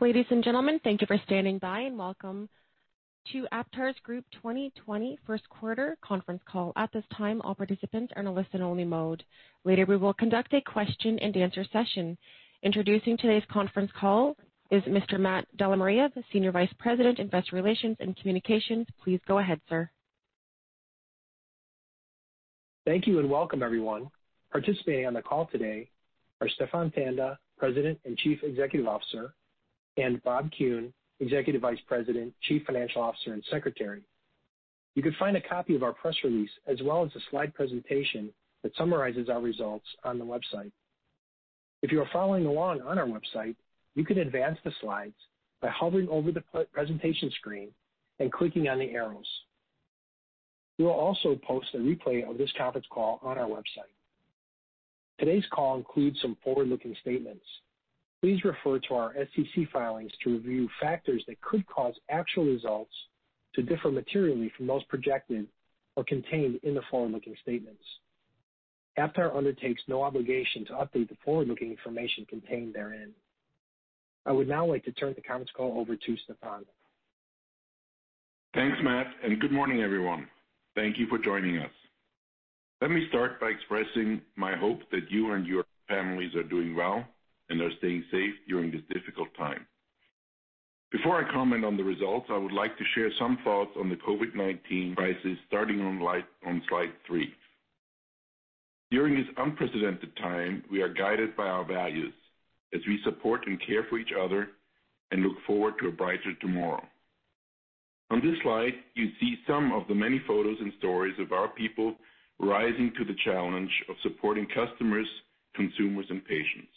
Ladies and gentlemen, thank you for standing by, and welcome to AptarGroup 2020 first quarter conference call. At this time, all participants are in a listen-only mode. Later, we will conduct a question-and-answer session. Introducing today's conference call is Mr. Matt DellaMaria, the Senior Vice President, Investor Relations and Communications. Please go ahead, sir. Thank you and welcome, everyone. Participating on the call today are Stephan Tanda, President and Chief Executive Officer, and Bob Kuhn, Executive Vice President, Chief Financial Officer, and Secretary. You can find a copy of our press release as well as a slide presentation that summarizes our results on the website. If you are following along on our website, you can advance the slides by hovering over the presentation screen and clicking on the arrows. We will also post a replay of this conference call on our website. Today's call includes some forward-looking statements. Please refer to our SEC filings to review factors that could cause actual results to differ materially from those projected or contained in the forward-looking statements. Aptar undertakes no obligation to update the forward-looking information contained therein. I would now like to turn the conference call over to Stephan. Thanks, Matt. Good morning, everyone. Thank you for joining us. Let me start by expressing my hope that you and your families are doing well and are staying safe during this difficult time. Before I comment on the results, I would like to share some thoughts on the COVID-19 crisis, starting on Slide three. During this unprecedented time, we are guided by our values as we support and care for each other and look forward to a brighter tomorrow. On this slide, you see some of the many photos and stories of our people rising to the challenge of supporting customers, consumers, and patients.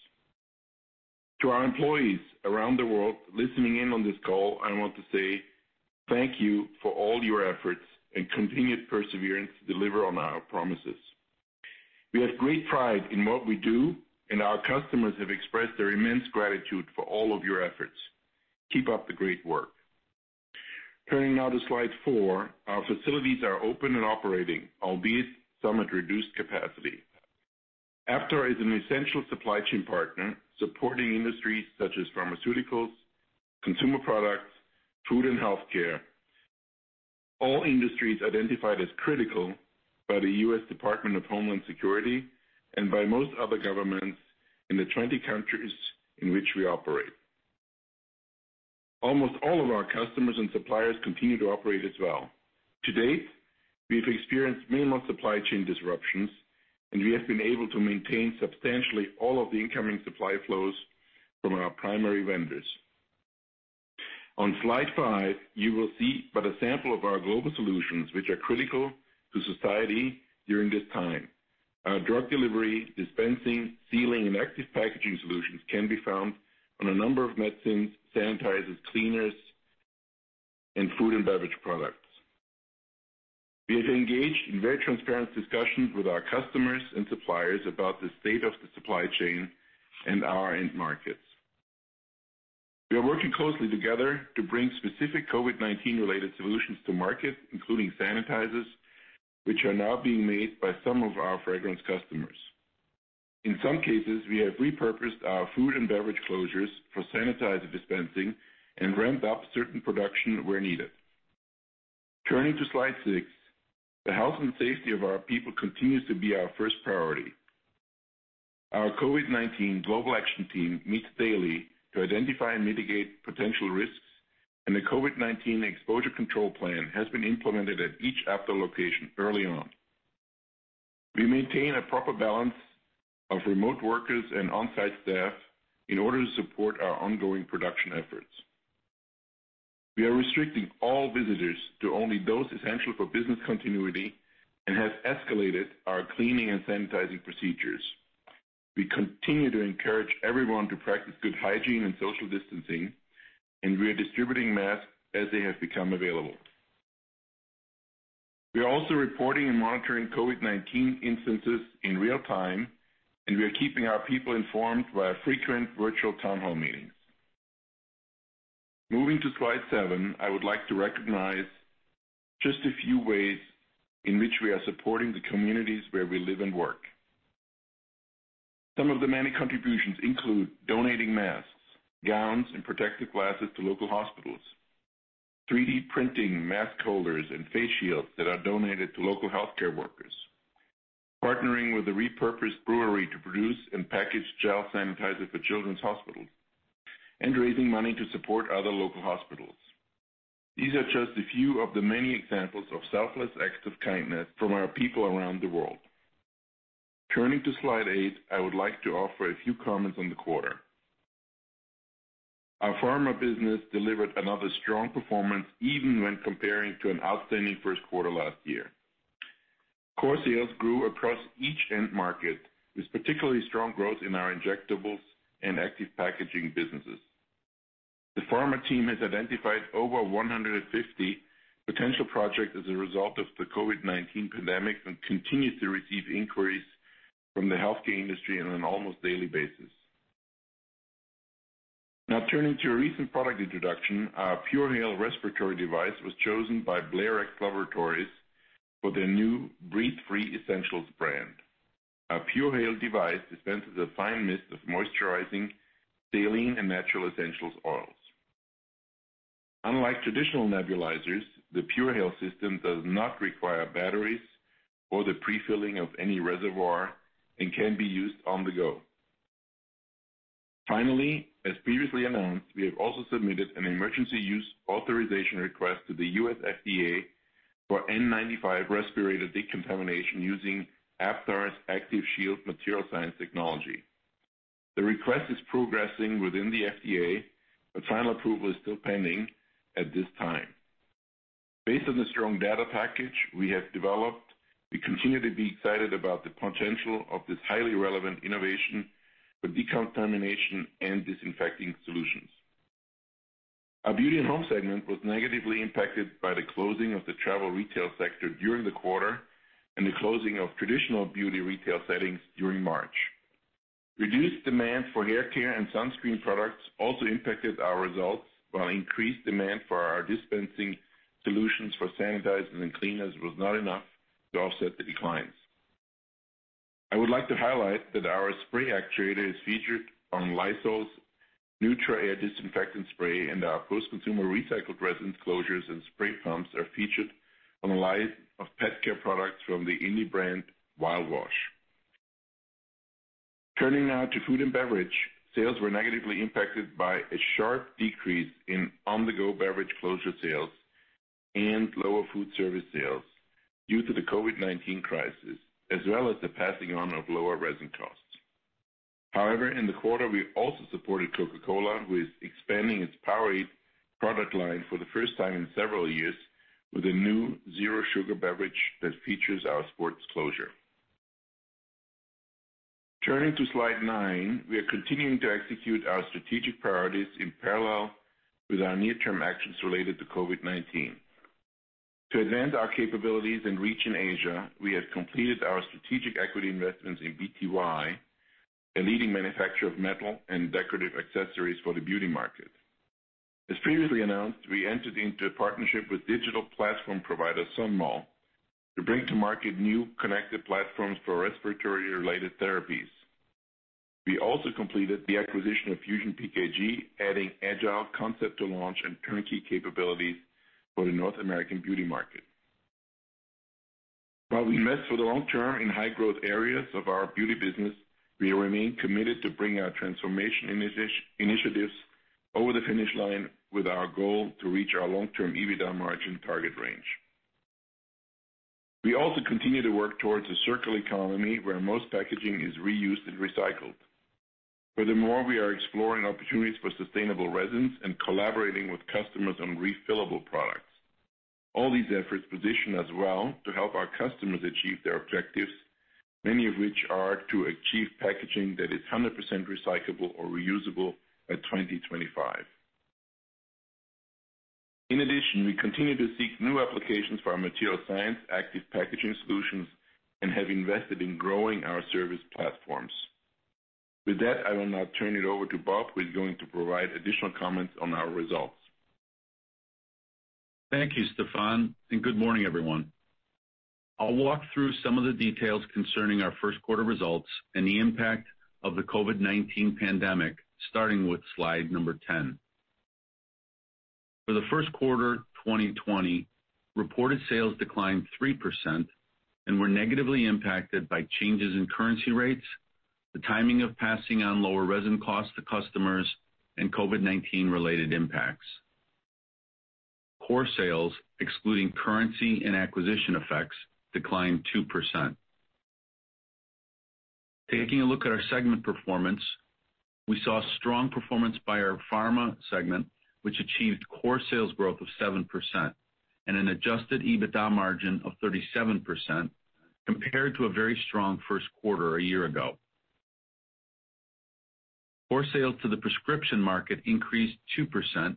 To our employees around the world listening in on this call, I want to say thank you for all your efforts and continued perseverance to deliver on our promises. We have great pride in what we do, and our customers have expressed their immense gratitude for all of your efforts. Keep up the great work. Turning now to Slide four. Our facilities are open and operating, albeit some at reduced capacity. Aptar is an essential supply chain partner supporting industries such as pharmaceuticals, consumer products, food, and healthcare. All industries identified as critical by the U.S. Department of Homeland Security and by most other governments in the 20 countries in which we operate. Almost all of our customers and suppliers continue to operate as well. To date, we've experienced minimal supply chain disruptions, and we have been able to maintain substantially all of the incoming supply flows from our primary vendors. On Slide five, you will see but a sample of our global solutions, which are critical to society during this time. Our drug delivery, dispensing, sealing, and active packaging solutions can be found on a number of medicines, sanitizers, cleaners, and food and beverage products. We have engaged in very transparent discussions with our customers and suppliers about the state of the supply chain and our end markets. We are working closely together to bring specific COVID-19 related solutions to market, including sanitizers, which are now being made by some of our fragrance customers. In some cases, we have repurposed our food and beverage closures for sanitizer dispensing and ramped up certain production where needed. Turning to Slide six. The health and safety of our people continues to be our first priority. Our COVID-19 global action team meets daily to identify and mitigate potential risks, and the COVID-19 exposure control plan has been implemented at each Aptar location early on. We maintain a proper balance of remote workers and on-site staff in order to support our ongoing production efforts. We are restricting all visitors to only those essential for business continuity and have escalated our cleaning and sanitizing procedures. We continue to encourage everyone to practice good hygiene and social distancing, and we are distributing masks as they have become available. We are also reporting and monitoring COVID-19 instances in real time, and we are keeping our people informed via frequent virtual town hall meetings. Moving to Slide seven. I would like to recognize just a few ways in which we are supporting the communities where we live and work. Some of the many contributions include donating masks, gowns, and protective glasses to local hospitals, 3D printing mask holders and face shields that are donated to local healthcare workers, partnering with a repurposed brewery to produce and package gel sanitizer for children's hospitals, and raising money to support other local hospitals. These are just a few of the many examples of selfless acts of kindness from our people around the world. Turning to Slide eight. I would like to offer a few comments on the quarter. Our pharma business delivered another strong performance even when comparing to an outstanding first quarter last year. Core sales grew across each end market, with particularly strong growth in our injectables and active packaging businesses. The pharma team has identified over 150 potential projects as a result of the COVID-19 pandemic and continues to receive inquiries from the healthcare industry on an almost daily basis. Turning to a recent product introduction. Our PureHale respiratory device was chosen by Blairex Laboratories for their new Breathe Free Essentials brand. Our PureHale device dispenses a fine mist of moisturizing saline and natural essential oils. Unlike traditional nebulizers, the PureHale system does not require batteries or the pre-filling of any reservoir and can be used on the go. As previously announced, we have also submitted an Emergency Use Authorization request to the U.S. FDA for N95 respirator decontamination using Aptar's ActivShield material science technology. The request is progressing within the FDA, final approval is still pending at this time. Based on the strong data package we have developed, we continue to be excited about the potential of this highly relevant innovation for decontamination and disinfecting solutions. Our Beauty and Home segment was negatively impacted by the closing of the travel retail sector during the quarter and the closing of traditional beauty retail settings during March. Reduced demand for haircare and sunscreen products also impacted our results, while increased demand for our dispensing solutions for sanitizers and cleaners was not enough to offset the declines. I would like to highlight that our spray actuator is featured on Lysol's Neutra Air disinfectant spray, and our post-consumer recycled resin closures and spray pumps are featured on a line of pet care products from the indie brand WildWash. Turning now to food and beverage. Sales were negatively impacted by a sharp decrease in on-the-go beverage closure sales and lower food service sales due to the COVID-19 crisis, as well as the passing on of lower resin costs. However, in the quarter, we also supported Coca-Cola with expanding its Powerade product line for the first time in several years with a new zero-sugar beverage that features our sports closure. Turning to Slide nine. We are continuing to execute our strategic priorities in parallel with our near-term actions related to COVID-19. To advance our capabilities and reach in Asia, we have completed our strategic equity investments in BTY, a leading manufacturer of metal and decorative accessories for the beauty market. As previously announced, we entered into a partnership with digital platform provider, Sonmol, to bring to market new connected platforms for respiratory-related therapies. We also completed the acquisition of FusionPKG, adding agile concept to launch and turnkey capabilities for the North American beauty market. While we invest for the long-term in high-growth areas of our beauty business, we remain committed to bring our transformation initiatives over the finish line with our goal to reach our long-term EBITDA margin target range. We also continue to work towards a circular economy where most packaging is reused and recycled. Furthermore, we are exploring opportunities for sustainable resins and collaborating with customers on refillable products. All these efforts position us well to help our customers achieve their objectives, many of which are to achieve packaging that is 100% recyclable or reusable by 2025. In addition, we continue to seek new applications for our material science active packaging solutions and have invested in growing our service platforms. With that, I will now turn it over to Bob, who is going to provide additional comments on our results. Thank you, Stephan, and good morning, everyone. I'll walk through some of the details concerning our first quarter results and the impact of the COVID-19 pandemic, starting with slide number 10. For the first quarter 2020, reported sales declined 3% and were negatively impacted by changes in currency rates, the timing of passing on lower resin costs to customers, and COVID-19 related impacts. Core sales, excluding currency and acquisition effects, declined 2%. Taking a look at our segment performance, we saw strong performance by our Pharma segment, which achieved core sales growth of 7% and an adjusted EBITDA margin of 37% compared to a very strong first quarter a year ago. Core sales to the prescription market increased 2%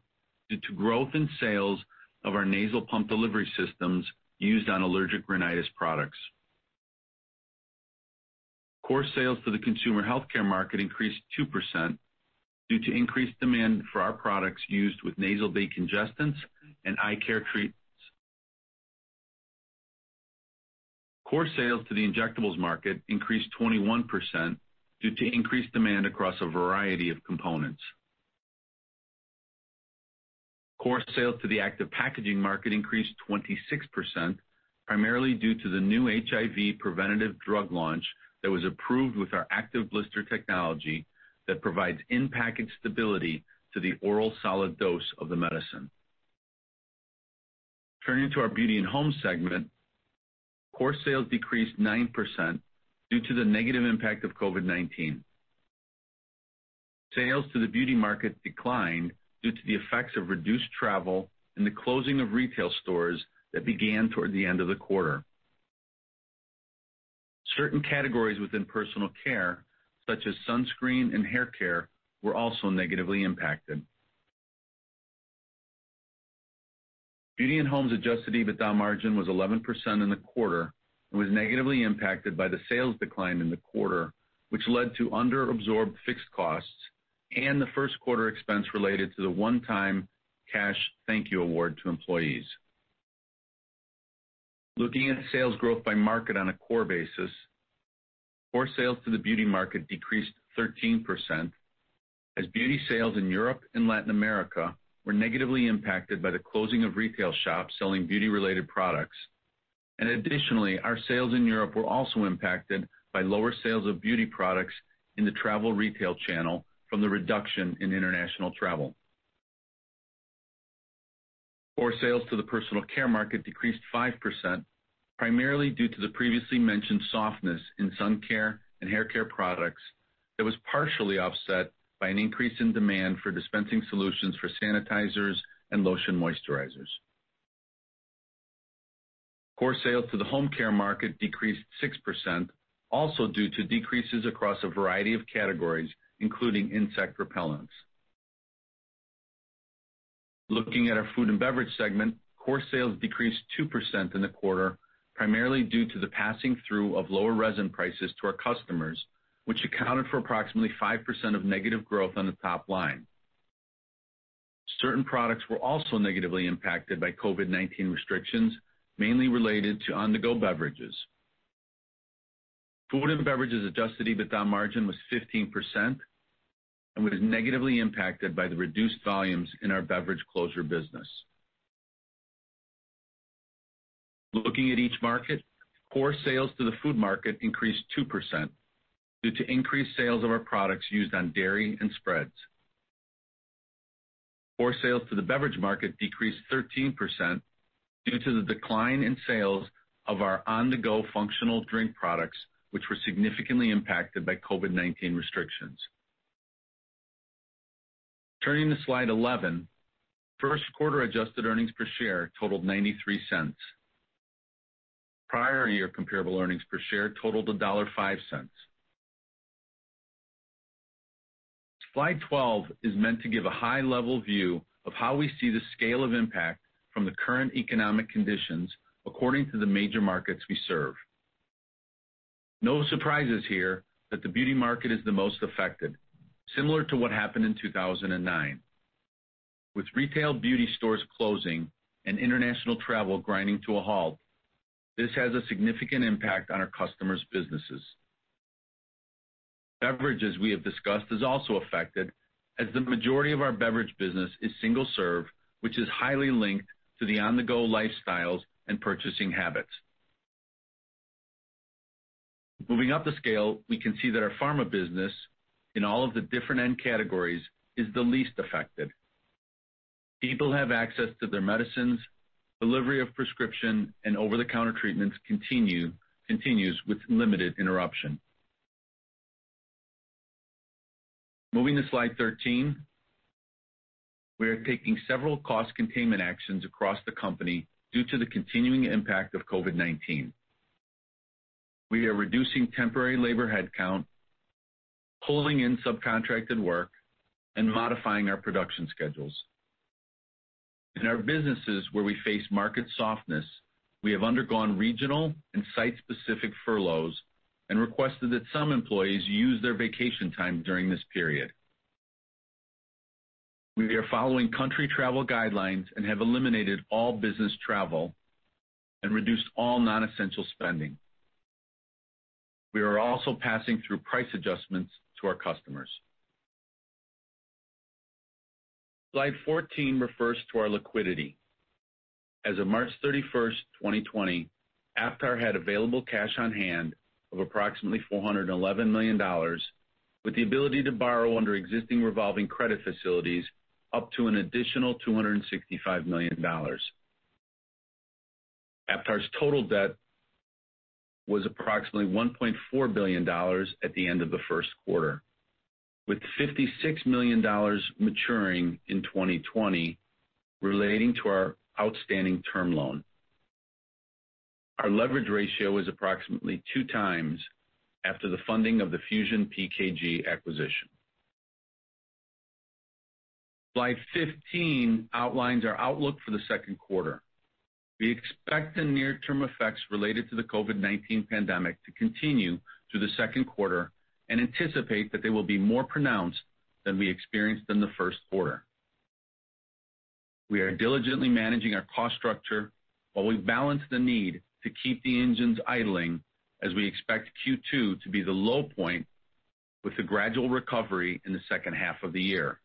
due to growth in sales of our nasal pump delivery systems used on allergic rhinitis products. Core sales to the consumer health care market increased 2% due to increased demand for our products used with nasal decongestants and eye care treatments. Core sales to the injectables market increased 21% due to increased demand across a variety of components. Core sales to the active packaging market increased 26%, primarily due to the new HIV preventative drug launch that was approved with our active blister technology that provides in-package stability to the oral solid dose of the medicine. Turning to our Beauty and Home segment, core sales decreased 9% due to the negative impact of COVID-19. Sales to the beauty market declined due to the effects of reduced travel and the closing of retail stores that began toward the end of the quarter. Certain categories within personal care, such as sunscreen and haircare, were also negatively impacted. Beauty and Home's adjusted EBITDA margin was 11% in the quarter and was negatively impacted by the sales decline in the quarter, which led to under-absorbed fixed costs and the first quarter expense related to the one-time cash Thank You Award to employees. Looking at sales growth by market on a core basis, core sales to the beauty market decreased 13% as beauty sales in Europe and Latin America were negatively impacted by the closing of retail shops selling beauty-related products. Additionally, our sales in Europe were also impacted by lower sales of beauty products in the travel retail channel from the reduction in international travel. Core sales to the personal care market decreased 5%, primarily due to the previously mentioned softness in sun care and hair care products that was partially offset by an increase in demand for dispensing solutions for sanitizers and lotion moisturizers. Core sales to the home care market decreased 6%, also due to decreases across a variety of categories, including insect repellents. Looking at our food and beverage segment, core sales decreased 2% in the quarter, primarily due to the passing through of lower resin prices to our customers, which accounted for approximately 5% of negative growth on the top line. Certain products were also negatively impacted by COVID-19 restrictions, mainly related to on-the-go beverages. Food and beverages adjusted EBITDA margin was 15% and was negatively impacted by the reduced volumes in our beverage closure business. Looking at each market, core sales to the food market increased 2% due to increased sales of our products used on dairy and spreads. Core sales to the beverage market decreased 13% due to the decline in sales of our on-the-go functional drink products, which were significantly impacted by COVID-19 restrictions. Turning to Slide 11. First quarter adjusted earnings per share totaled $0.93. Prior year comparable earnings per share totaled $1.05. Slide 12 is meant to give a high-level view of how we see the scale of impact from the current economic conditions according to the major markets we serve. No surprises here that the beauty market is the most affected, similar to what happened in 2009. With retail beauty stores closing and international travel grinding to a halt, this has a significant impact on our customers' businesses. Beverages, we have discussed, is also affected as the majority of our beverage business is single-serve, which is highly linked to the on-the-go lifestyles and purchasing habits. Moving up the scale, we can see that our pharma business, in all of the different end categories, is the least affected. People have access to their medicines, delivery of prescription and over-the-counter treatments continues with limited interruption. Moving to Slide 13. We are taking several cost containment actions across the company due to the continuing impact of COVID-19. We are reducing temporary labor headcount, pulling in subcontracted work, and modifying our production schedules. In our businesses where we face market softness, we have undergone regional and site-specific furloughs and requested that some employees use their vacation time during this period. We are following country travel guidelines and have eliminated all business travel and reduced all non-essential spending. We are also passing through price adjustments to our customers. Slide 14 refers to our liquidity. As of March 31st, 2020, Aptar had available cash on hand of approximately $411 million with the ability to borrow under existing revolving credit facilities up to an additional $265 million. Aptar's total debt was approximately $1.4 billion at the end of the first quarter, with $56 million maturing in 2020 relating to our outstanding term loan. Our leverage ratio is approximately two times after the funding of the FusionPKG acquisition. Slide 15 outlines our outlook for the second quarter. We expect the near-term effects related to the COVID-19 pandemic to continue through the second quarter and anticipate that they will be more pronounced than we experienced in the first quarter. We are diligently managing our cost structure while we balance the need to keep the engines idling as we expect Q2 to be the low point with a gradual recovery in the second half of the year.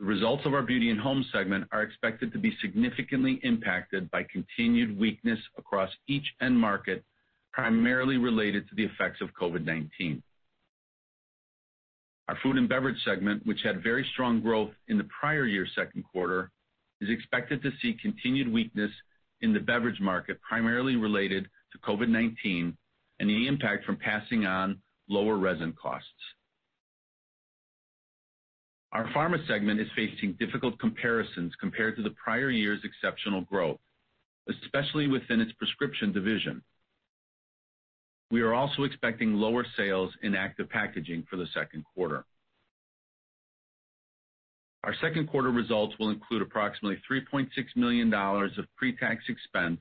The results of our Beauty and Home segment are expected to be significantly impacted by continued weakness across each end market, primarily related to the effects of COVID-19. Our Food and Beverage Segment, which had very strong growth in the prior year's second quarter, is expected to see continued weakness in the beverage market, primarily related to COVID-19 and any impact from passing on lower resin costs. Our Pharma Segment is facing difficult comparisons compared to the prior year's exceptional growth, especially within its prescription division. We are also expecting lower sales in active packaging for the second quarter. Our second quarter results will include approximately $3.6 million of pre-tax expense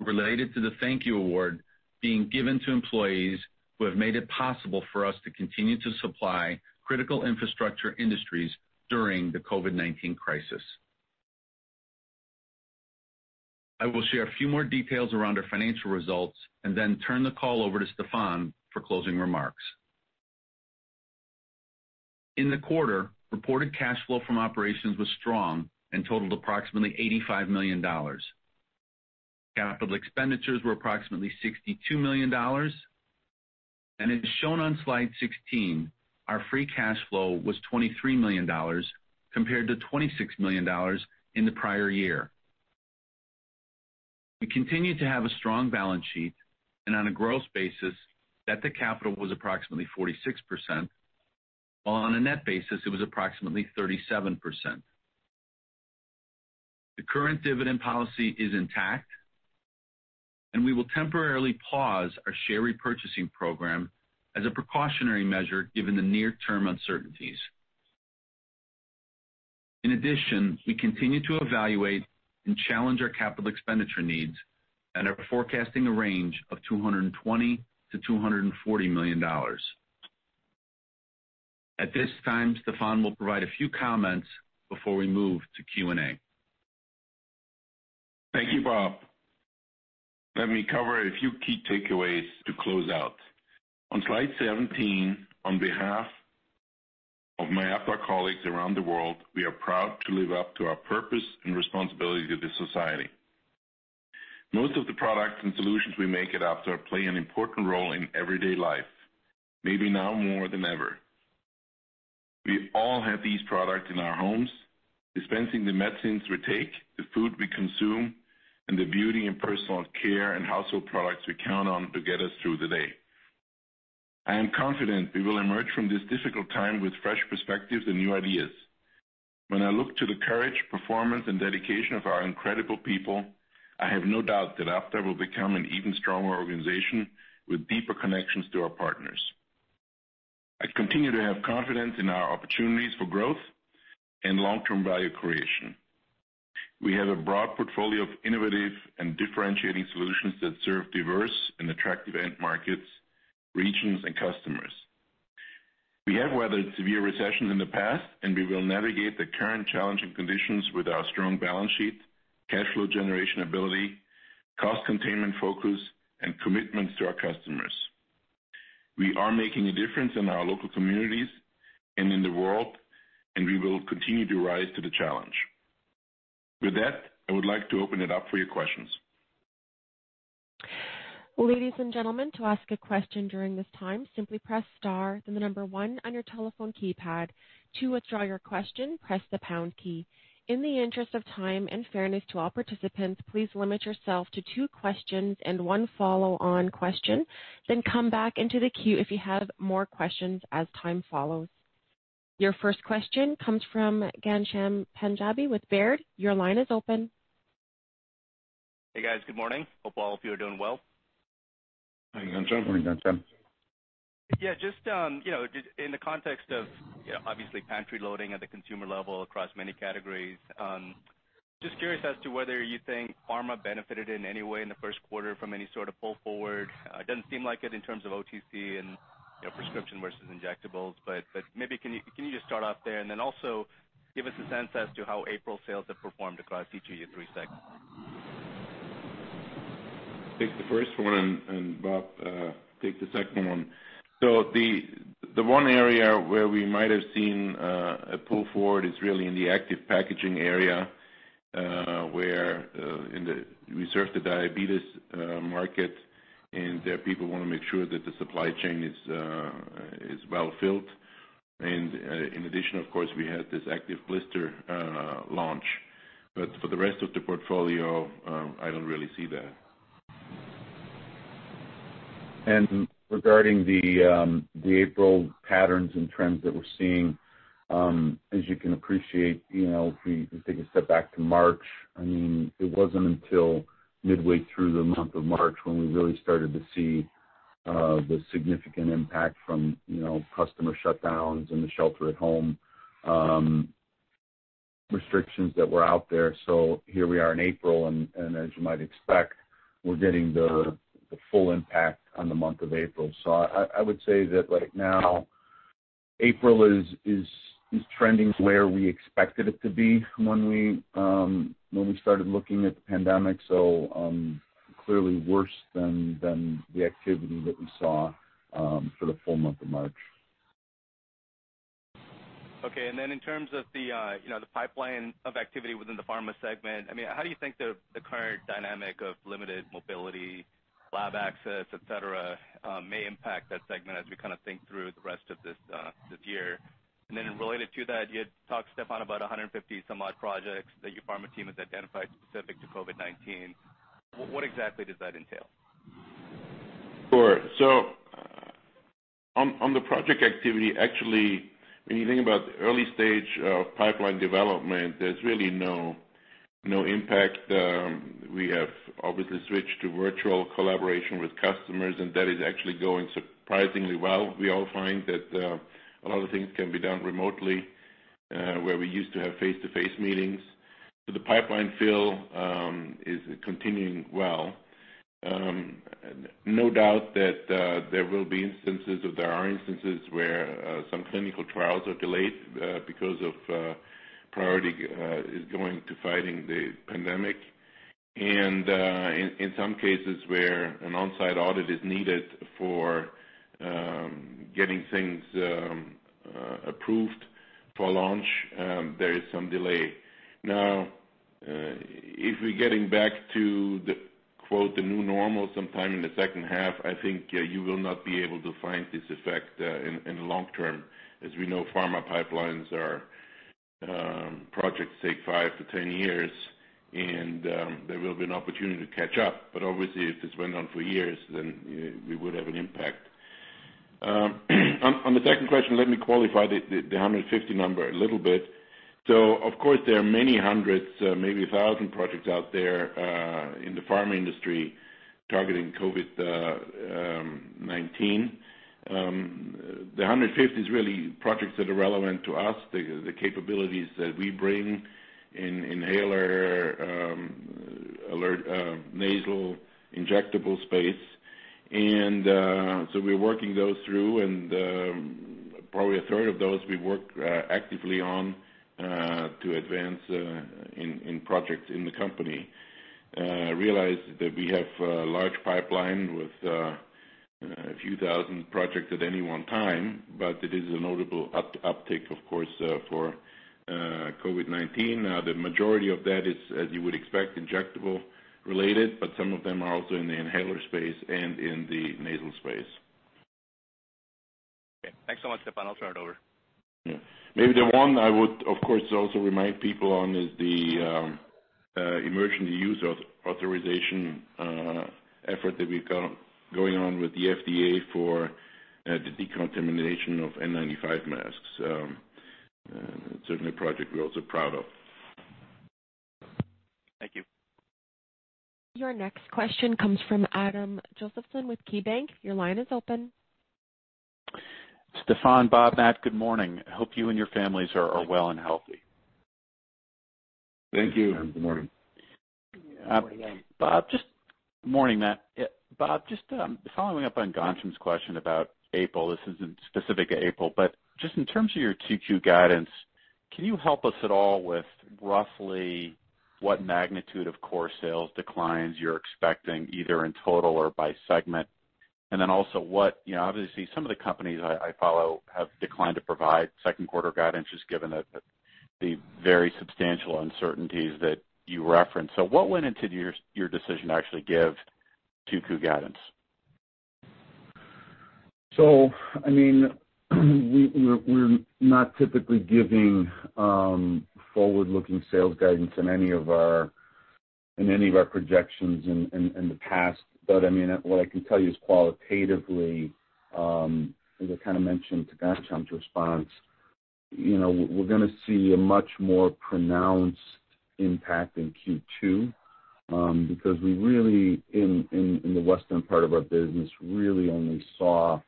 Related to the Thank You Award being given to employees who have made it possible for us to continue to supply critical infrastructure industries during the COVID-19 crisis. I will share a few more details around our financial results and then turn the call over to Stephan for closing remarks. In the quarter, reported cash flow from operations was strong and totaled approximately $85 million. Capital expenditures were approximately $62 million. As shown on Slide 16, our free cash flow was $23 million compared to $26 million in the prior year. We continue to have a strong balance sheet, and on a gross basis, debt to capital was approximately 46%, while on a net basis it was approximately 37%. The current dividend policy is intact, and we will temporarily pause our share repurchasing program as a precautionary measure given the near-term uncertainties. In addition, we continue to evaluate and challenge our capital expenditure needs and are forecasting a range of $220 million-$240 million. At this time, Stephan will provide a few comments before we move to Q&A. Thank you, Bob. Let me cover a few key takeaways to closeout. On Slide 17, on behalf of my Aptar colleagues around the world, we are proud to live up to our purpose and responsibility to this society. Most of the products and solutions we make at Aptar play an important role in everyday life, maybe now more than ever. We all have these products in our homes, dispensing the medicines we take, the food we consume, and the beauty and personal care and household products we count on to get us through the day. I am confident we will emerge from this difficult time with fresh perspectives and new ideas. When I look to the courage, performance, and dedication of our incredible people, I have no doubt that Aptar will become an even stronger organization with deeper connections to our partners. I continue to have confidence in our opportunities for growth and long-term value creation. We have a broad portfolio of innovative and differentiating solutions that serve diverse and attractive end markets, regions, and customers. We have weathered severe recessions in the past, and we will navigate the current challenging conditions with our strong balance sheet, cash flow generation ability, cost containment focus, and commitments to our customers. We are making a difference in our local communities and in the world, and we will continue to rise to the challenge. With that, I would like to open it up for your questions. Ladies and gentlemen, to ask a question during this time, simply press star, then the number one on your telephone keypad. To withdraw your question, press the pound key. In the interest of time and fairness to all participants, please limit yourself to two questions and one follow-on question, Come back into the queue if you have more questions as time follows. Your first question comes from Ghansham Panjabi with Baird. Your line is open. Hey, guys. Good morning. Hope all of you are doing well. Morning, Ghansham. Morning, Ghansham. Yeah, just in the context of obviously pantry loading at the consumer level across many categories, just curious as to whether you think pharma benefited in any way in the first quarter from any sort of pull forward. It doesn't seem like it in terms of OTC and prescription versus injectables, but maybe can you just start off there and then also give us a sense as to how April sales have performed across each of your three segments? Take the first one, Bob, take the second one. The one area where we might have seen a pull forward is really in the active packaging area, where in the reserve the diabetes market and people want to make sure that the supply chain is well-filled. In addition, of course, we had this active blister launch. For the rest of the portfolio, I don't really see that. Regarding the April patterns and trends that we're seeing, as you can appreciate, if we take a step back to March, it wasn't until midway through the month of March when we really started to see the significant impact from customer shutdowns and the shelter at home restrictions that were out there. Here we are in April, and as you might expect, we're getting the full impact on the month of April. I would say that right now April is trending to where we expected it to be when we started looking at the pandemic. Clearly worse than the activity that we saw for the full month of March. Okay. In terms of the pipeline of activity within the pharma segment, how do you think the current dynamic of limited mobility, lab access, et cetera, may impact that segment as we think through the rest of this year? Related to that, you had talked, Stephan, about 150 some odd projects that your pharma team has identified specific to COVID-19. What exactly does that entail? Sure. On the project activity, actually, when you think about the early stage of pipeline development, there's really no impact. We have obviously switched to virtual collaboration with customers, and that is actually going surprisingly well. We all find that a lot of things can be done remotely, where we used to have face-to-face meetings. The pipeline fill is continuing well. No doubt that there will be instances, or there are instances where some clinical trials are delayed because of priority is going to fighting the pandemic. In some cases where an on-site audit is needed for getting things approved for launch, there is some delay. If we're getting back to the quote, The new normal sometime in the second half, I think you will not be able to find this effect in the long term. As we know, pharma pipelines are projects that take five to 10 years, and there will be an opportunity to catch up. Obviously, if this went on for years, we would have an impact. On the second question, let me qualify the 150 number a little bit. Of course, there are many hundreds, maybe 1,000 projects out there in the pharma industry targeting COVID-19. The 150 is really projects that are relevant to us, the capabilities that we bring in inhaler, nasal, injectable space. We're working those through and probably a third of those we work actively on to advance in projects in the company. Realize that we have a large pipeline with a few thousand projects at any one time, it is a notable uptick of course for COVID-19. The majority of that is, as you would expect, injectable related, but some of them are also in the inhaler space and in the nasal space. Okay. Thanks so much, Stephan. I'll turn it over. Yeah. Maybe the one I would, of course, also remind people on is the Emergency Use Authorization effort that we've got going on with the FDA for the decontamination of N95 masks. It's certainly a project we're also proud of. Thank you. Your next question comes from Adam Josephson with KeyBanc. Your line is open. Stephan, Bob, Matt, good morning. I hope you and your families are well and healthy. Thank you. Good morning. Bob. Morning, Matt. Bob, just following up on Ghansham's question about April. This isn't specific to April, but just in terms of your 2Q guidance, can you help us at all with roughly what magnitude of core sales declines you're expecting, either in total or by segment? Also, obviously some of the companies I follow have declined to provide second quarter guidance, just given the very substantial uncertainties that you referenced. What went into your decision to actually give 2Q guidance? We're not typically giving forward-looking sales guidance in any of our projections in the past. What I can tell you is qualitatively, as I kind of mentioned to Ghansham's response, we're going to see a much more pronounced impact in Q2. Because we really, in the western part of our business, really only saw,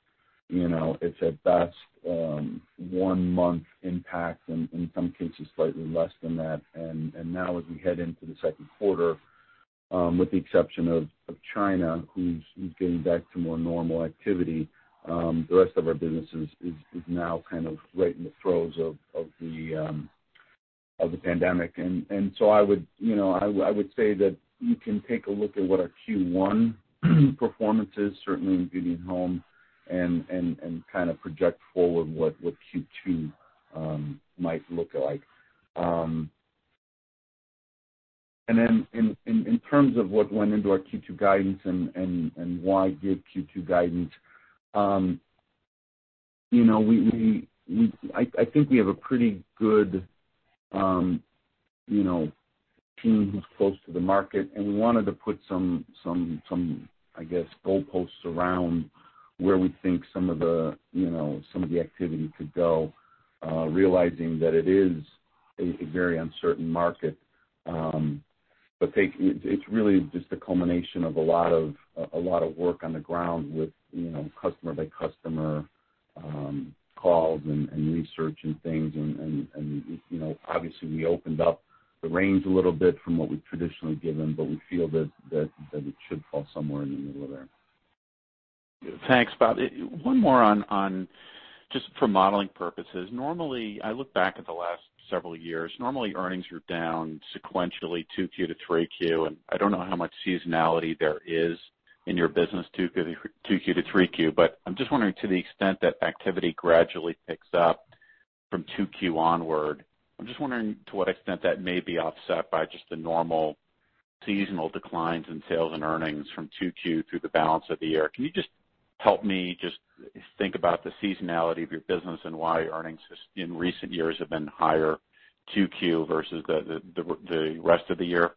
it's at best, one month impact and in some cases, slightly less than that. Now as we head into the second quarter, with the exception of China, who's getting back to more normal activity, the rest of our businesses is now kind of right in the throes of the pandemic. I would say that you can take a look at what our Q1 performance is, certainly in Beauty and Home and kind of project forward what Q2 might look like. In terms of what went into our Q2 guidance and why give Q2 guidance, I think we have a pretty good team who's close to the market, and we wanted to put some, I guess, goalposts around where we think some of the activity could go, realizing that it is a very uncertain market. It's really just a culmination of a lot of work on the ground with customer-by-customer calls and research and things. Obviously we opened up the range a little bit from what we've traditionally given, but we feel that it should fall somewhere in the middle of there. Thanks, Bob. One more on, just for modeling purposes. Normally, I look back at the last several years. Normally, earnings are down sequentially 2Q to 3Q, and I don't know how much seasonality there is in your business 2Q to 3Q. I'm just wondering, to the extent that activity gradually picks up from 2Q onward, I'm just wondering to what extent that may be offset by just the normal seasonal declines in sales and earnings from 2Q through the balance of the year. Can you just help me just think about the seasonality of your business and why earnings, just in recent years, have been higher 2Q versus the rest of the year?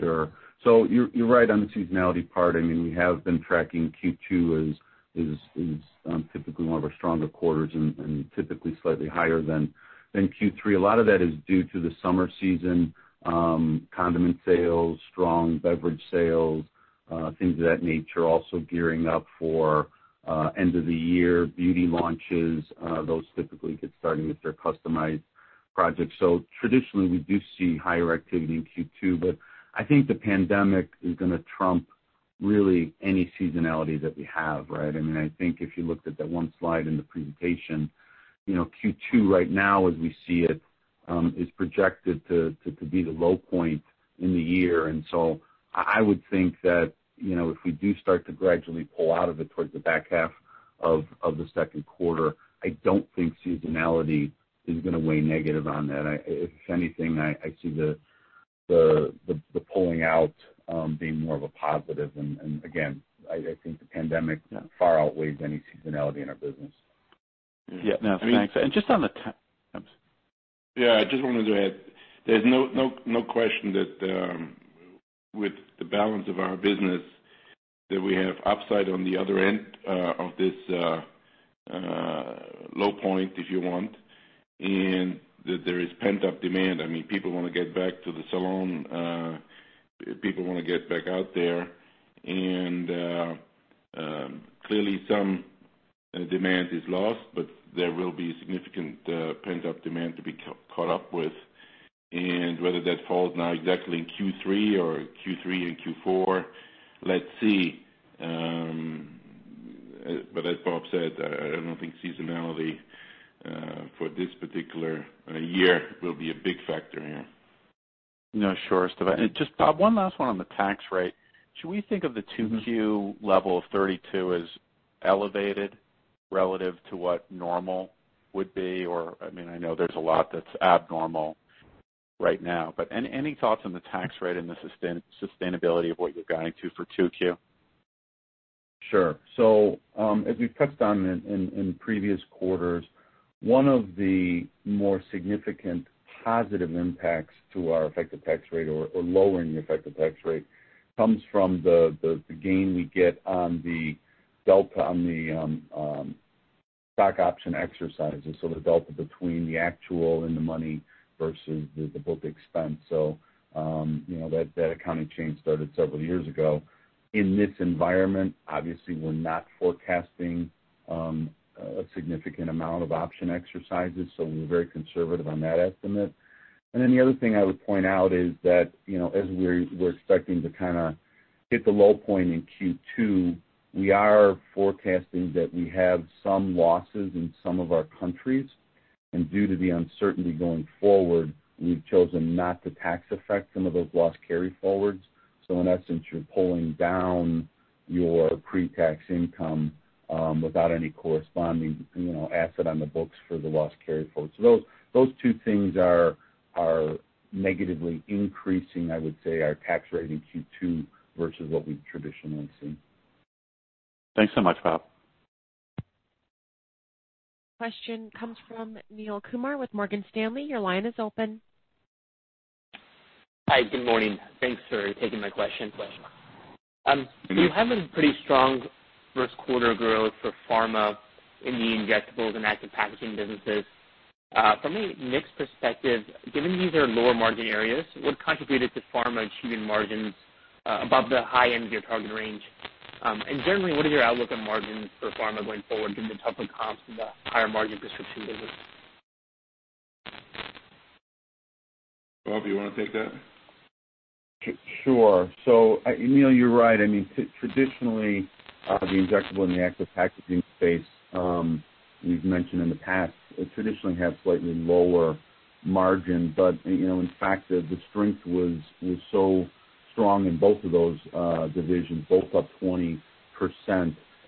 Sure. You're right on the seasonality part. We have been tracking Q2 as typically one of our stronger quarters and typically slightly higher than Q3. A lot of that is due to the summer season, condiment sales, strong beverage sales things of that nature. Also gearing up for end of the year beauty launches. Those typically get started with their customized projects. Traditionally, we do see higher activity in Q2, but I think the pandemic is going to trump really any seasonality that we have, right. I think if you looked at that one slide in the presentation, Q2 right now as we see it, is projected to be the low point in the year. I would think that, if we do start to gradually pull out of it towards the back half of the second quarter, I don't think seasonality is going to weigh negative on that. If anything, I see the pulling out being more of a positive. Again, I think the pandemic far outweighs any seasonality in our business. Yeah, no. Thanks. I'm sorry. Yeah, I just wanted to add, there's no question that with the balance of our business, that we have upside on the other end of this low point, if you want, and that there is pent-up demand. People want to get back to the salon. People want to get back out there. Clearly some demand is lost, but there will be significant pent-up demand to be caught up with, and whether that falls now exactly in Q3 or Q3 and Q4, let's see. As Bob said, I don't think seasonality for this particular year will be a big factor here. No, sure. Just, Bob, one last one on the tax rate. Should we think of the 2Q level of 32 as elevated relative to what normal would be? I know there's a lot that's abnormal right now, but any thoughts on the tax rate and the sustainability of what you're guiding to for 2Q? Sure. As we've touched on in previous quarters, one of the more significant positive impacts to our effective tax rate or lowering the effective tax rate comes from the gain we get on the delta on the stock option exercises. The delta between the actual and the money versus the book expense. That accounting change started several years ago. In this environment, obviously, we're not forecasting a significant amount of option exercises, so we're very conservative on that estimate. The other thing I would point out is that, as we're expecting to kind of hit the low point in Q2, we are forecasting that we have some losses in some of our countries. Due to the uncertainty going forward, we've chosen not to tax effect some of those loss carry-forwards. In essence, you're pulling down your pre-tax income without any corresponding asset on the books for the loss carry-forwards. Those two things are negatively increasing, I would say, our tax rate in Q2 versus what we've traditionally seen. Thanks so much, Bob. Question comes from Neel Kumar with Morgan Stanley. Your line is open. Hi, good morning. Thanks for taking my question. You have a pretty strong first quarter growth for pharma in the injectables and active packaging businesses. From a mix perspective, given these are lower margin areas, what contributed to pharma achieving margins above the high end of your target range? Generally, what is your outlook on margins for pharma going forward, given the tougher comps in the higher margin prescription business? Bob, you want to take that? Sure. Neel, you're right. Traditionally, the injectable and the active packaging space, we've mentioned in the past, it traditionally had slightly lower margin. In fact, the strength was so strong in both of those divisions, both up 20%,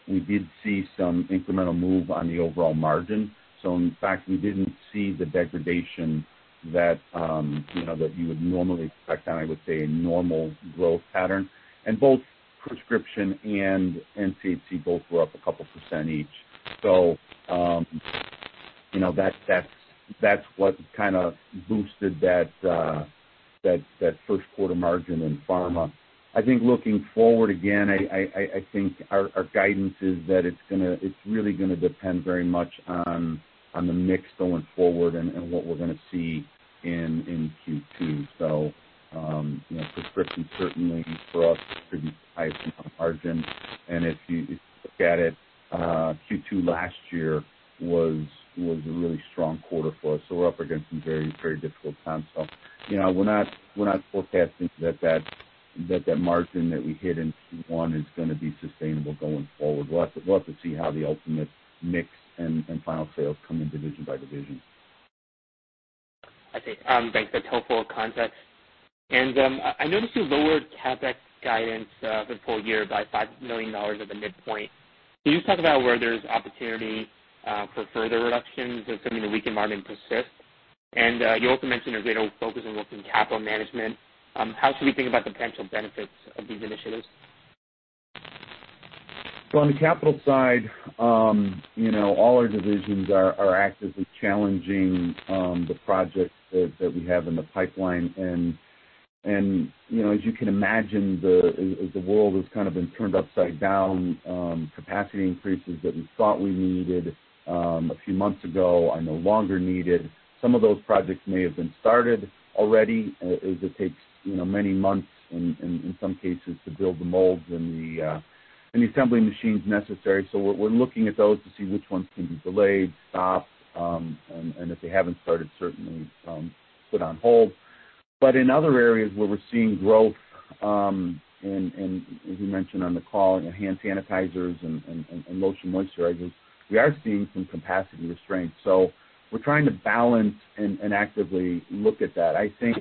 we did see some incremental move on the overall margin. In fact, we didn't see the degradation that you would normally expect on, I would say, a normal growth pattern. Both prescription and CHC, both were up a couple percent each. That's what kind of boosted that first quarter margin in pharma. I think looking forward again, I think our guidance is that it's really going to depend very much on the mix going forward and what we're going to see in Q2. Prescription certainly for us is pretty high margin, and if you look at it, Q2 last year was a really strong quarter for us. We're up against some very difficult comps. We're not forecasting that that margin that we hit in Q1 is going to be sustainable going forward. We'll have to see how the ultimate mix and final sales come in division by division. I see. Thanks. That's helpful context. I noticed you lowered CapEx guidance for the full-year by $5 million at the midpoint. Can you talk about where there's opportunity for further reductions if some of the weak environment persists? You also mentioned a greater focus on working capital management. How should we think about the potential benefits of these initiatives? On the capital side, all our divisions are actively challenging the projects that we have in the pipeline. As you can imagine, the world has kind of been turned upside down. Capacity increases that we thought we needed a few months ago are no longer needed. Some of those projects may have been started already, as it takes many months, in some cases, to build the molds and the assembly machines necessary. We're looking at those to see which ones can be delayed, stopped, and if they haven't started, certainly put on hold. In other areas where we're seeing growth, and as we mentioned on the call, hand sanitizers and lotion moisturizers, we are seeing some capacity restraints. We're trying to balance and actively look at that. I think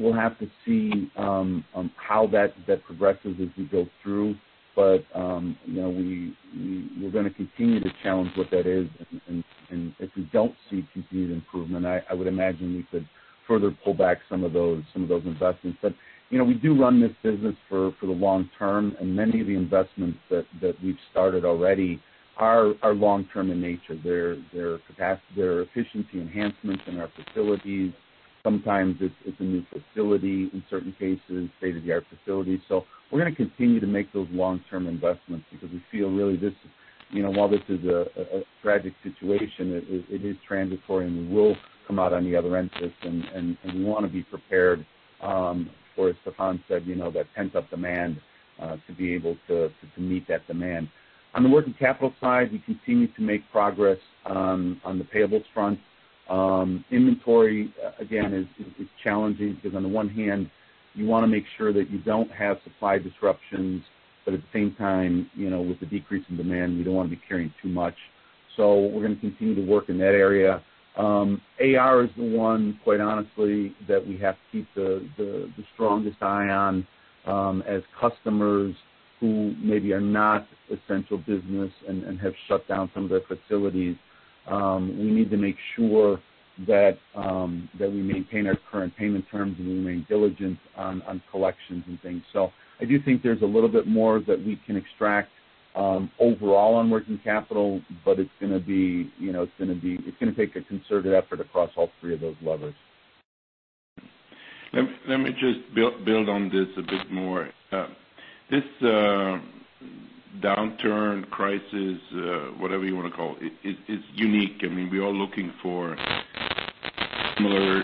we'll have to see how that progresses as we go through. We're going to continue to challenge what that is, and if we don't see continued improvement, I would imagine we could further pull back some of those investments. We do run this business for the long term, and many of the investments that we've started already are long-term in nature. They're efficiency enhancements in our facilities. Sometimes it's a new facility, in certain cases, state-of-the-art facilities. We're going to continue to make those long-term investments because we feel while this is a tragic situation, it is transitory and we will come out on the other end of this, and we want to be prepared for, as Stephan said, that pent-up demand, to be able to meet that demand. On the working capital side, we continue to make progress on the payables front. Inventory, again, is challenging because on the one hand, you want to make sure that you don't have supply disruptions, but at the same time, with the decrease in demand, we don't want to be carrying too much. We're going to continue to work in that area. AR is the one, quite honestly, that we have to keep the strongest eye on, as customers who maybe are not essential business and have shut down some of their facilities. We need to make sure that we maintain our current payment terms, and we remain diligent on collections and things. I do think there's a little bit more that we can extract overall on working capital, but it's going to take a concerted effort across all three of those levers. Let me just build on this a bit more. This downturn, crisis, whatever you want to call it, is unique. We are looking for similar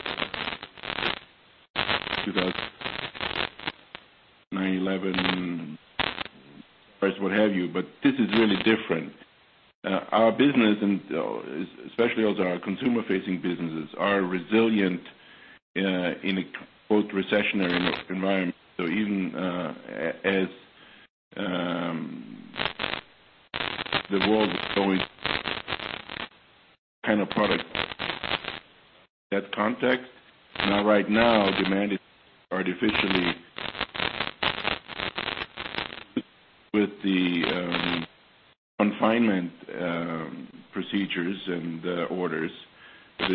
2008, 9/11, what have you, but this is really different. Our business, and especially those that are consumer-facing businesses, are resilient in a recessionary environment. Even as the world is going kind of in that context. Now, right now, demand is artificially with the confinement procedures and orders. As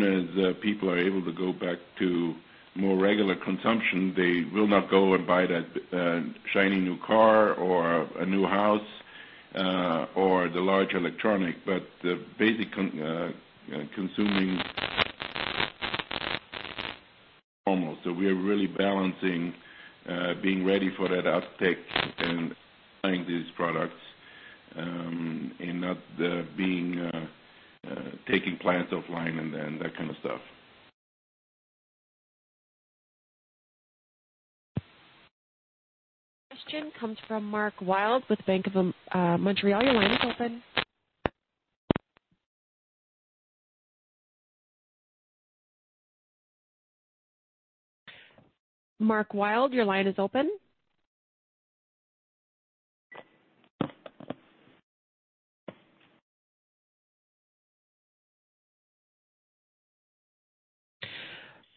soon as people are able to go back to more regular consumption, they will not go and buy that shiny new car or a new house or the large electronic, but the basic consuming almost. We are really balancing being ready for that uptick in buying these products and not taking plants offline and that kind of stuff. Question comes from Mark Wilde with Bank of Montreal. Your line is open. Mark Wilde your line is open.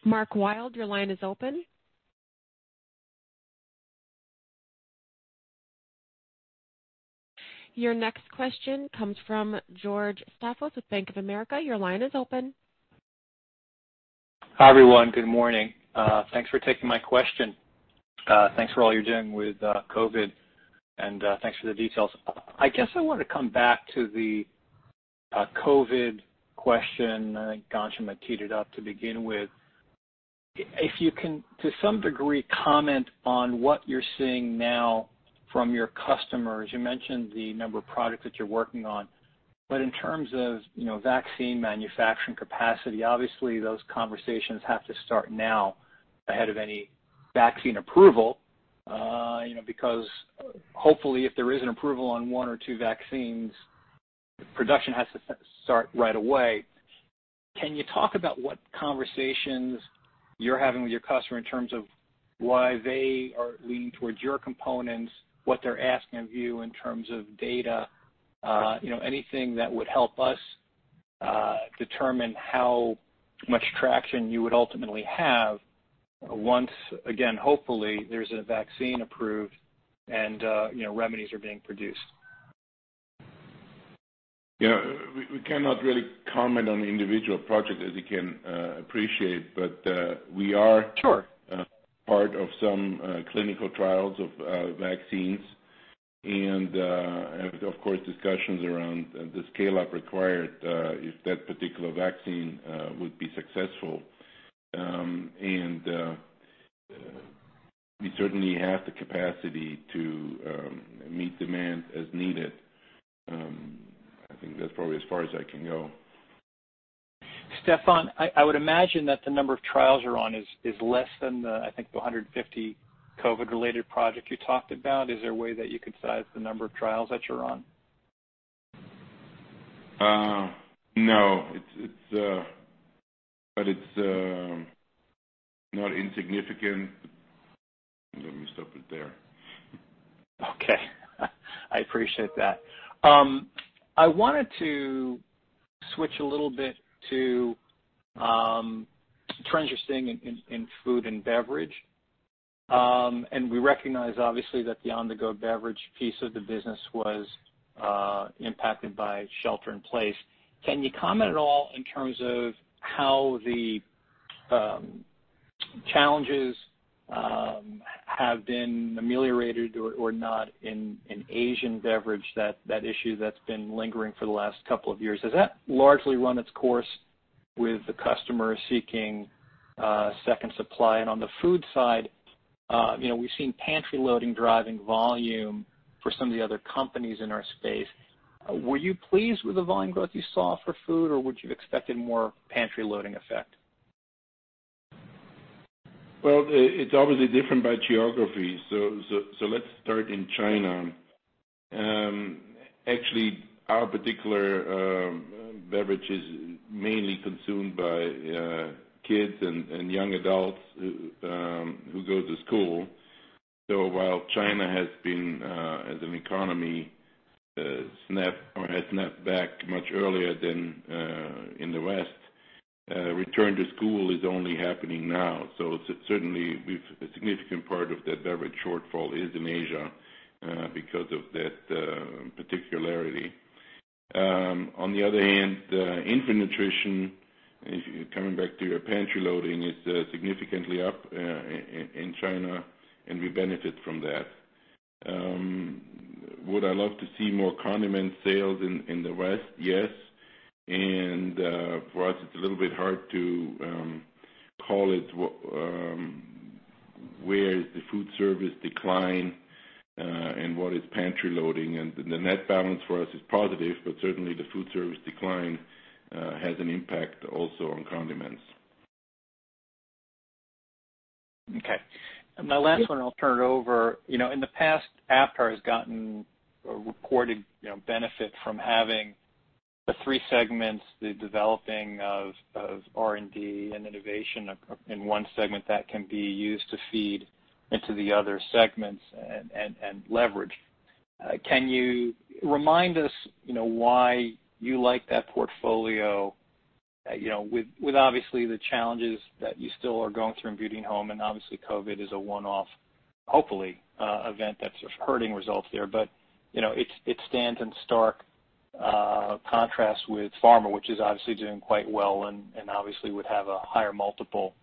Mark Wilde your line is open. Your next question comes from George Staphos with Bank of America. Your line is open. Hi, everyone. Good morning. Thanks for taking my question. Thanks for all you're doing with COVID, and thanks for the details. I guess I want to come back to the COVID question. I think Ghansham had teed it up to begin with. If you can, to some degree, comment on what you're seeing now from your customers. You mentioned the number of products that you're working on. In terms of vaccine manufacturing capacity, obviously those conversations have to start now ahead of any vaccine approval. Hopefully, if there is an approval on one or two vaccines, production has to start right away. Can you talk about what conversations you're having with your customer in terms of why they are leaning towards your components, what they're asking of you in terms of data? Anything that would help us determine how much traction you would ultimately have once, again, hopefully, there's a vaccine approved and remedies are being produced. We cannot really comment on individual projects, as you can appreciate. Sure part of some clinical trials of vaccines. Of course, discussions around the scale-up required if that particular vaccine would be successful. We certainly have the capacity to meet demand as needed. I think that's probably as far as I can go. Stephan, I would imagine that the number of trials you're on is less than the, I think the 150 COVID-19-related project you talked about. Is there a way that you could size the number of trials that you're on? No. It's not insignificant. Let me stop it there. Okay. I appreciate that. I wanted to switch a little bit to trends you're seeing in food and beverage. We recognize, obviously, that the on-the-go beverage piece of the business was impacted by shelter in place. Can you comment at all in terms of how the challenges have been ameliorated or not in Asian beverage, that issue that's been lingering for the last couple of years? Has that largely run its course with the customer seeking second supply? On the food side, we've seen pantry loading driving volume for some of the other companies in our space. Were you pleased with the volume growth you saw for food, or would you have expected more pantry loading effect? Well, it's obviously different by geography. Let's start in China. Actually, our particular beverage is mainly consumed by kids and young adults who go to school. While China has been, as an economy, has snapped back much earlier than in the West, return to school is only happening now. Certainly, a significant part of that beverage shortfall is in Asia because of that particularity. On the other hand, infant nutrition, coming back to your pantry loading, is significantly up in China, and we benefit from that. Would I love to see more condiment sales in the West? Yes. For us, it's a little bit hard to call it where is the food service decline and what is pantry loading. The net balance for us is positive, but certainly the food service decline has an impact also on condiments. Okay. My last one, and I'll turn it over. In the past, Aptar has gotten a reported benefit from having the three segments, the developing of R&D and innovation in one segment that can be used to feed into the other segments and leverage. Can you remind us why you like that portfolio? With obviously the challenges that you still are going through in Beauty and Home, and obviously COVID is a one-off, hopefully, event that's hurting results there. It stands in stark contrast with Pharma, which is obviously doing quite well and obviously would have a higher multiple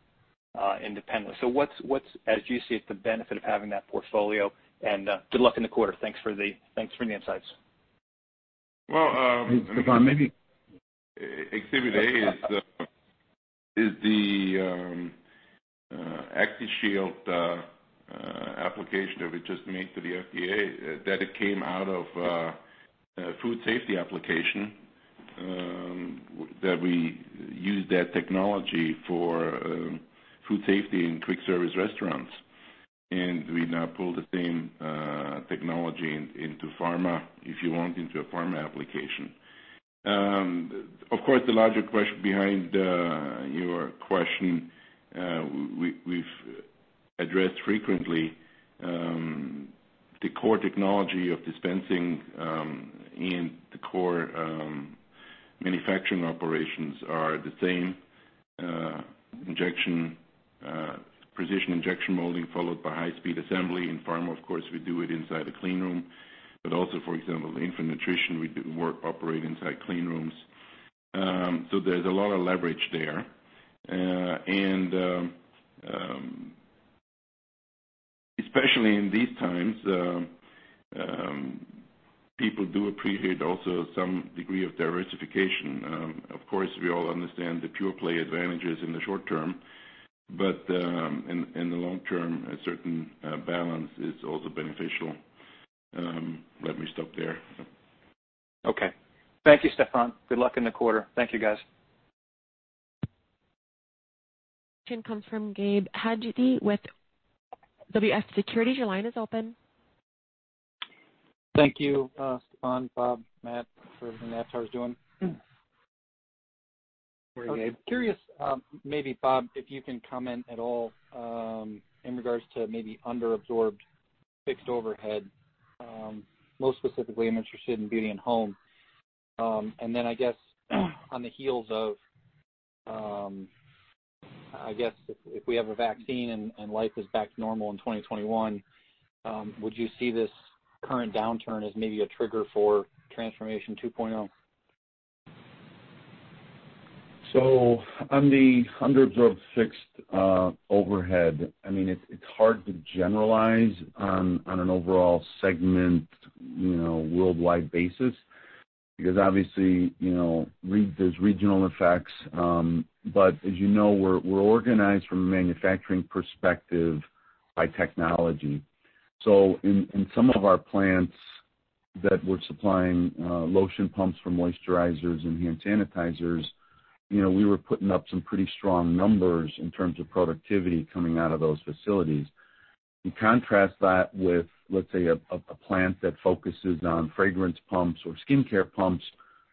independently. What's, as you see it, the benefit of having that portfolio? Good luck in the quarter. Thanks for the insights. Stephan, Exhibit A is the ActivShield application that we just made to the FDA, that it came out of a food safety application, that we used that technology for food safety in quick-service restaurants. We now pull the same technology into pharma, if you want, into a pharma application. Of course, the larger question behind your question, we've addressed frequently. The core technology of dispensing and the core manufacturing operations are the same precision injection molding followed by high-speed assembly. In pharma, of course, we do it inside a clean room. Also, for example, the infant nutrition, we operate inside clean rooms. There's a lot of leverage there. Especially in these times, people do appreciate also some degree of diversification. Of course, we all understand the pure play advantages in the short term, but in the long term, a certain balance is also beneficial. Let me stop there. Okay. Thank you, Stephan. Good luck in the quarter. Thank you, guys. Next question comes from Gabe Hajde with Wells Fargo Securities. Your line is open. Thank you Stephan, Bob, Matt, for everything Aptar is doing. Morning, Gabe. I'm curious, maybe Bob, if you can comment at all in regards to maybe under-absorbed fixed overhead. Most specifically, I'm interested in beauty and home. I guess on the heels of, I guess if we have a vaccine and life is back to normal in 2021, would you see this current downturn as maybe a trigger for Transformation 2.0? On the hundreds of fixed overhead, it's hard to generalize on an overall segment worldwide basis because obviously, there's regional effects. As you know, we're organized from a manufacturing perspective by technology. In some of our plants that were supplying lotion pumps for moisturizers and hand sanitizers, we were putting up some pretty strong numbers in terms of productivity coming out of those facilities. You contrast that with, let's say, a plant that focuses on fragrance pumps or skincare pumps